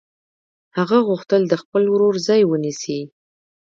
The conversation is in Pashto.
هغه غوښتل د خپل ورور ځای ونیسي